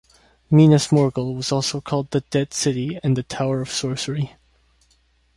Minas Morgul was also called the Dead City and the Tower of Sorcery.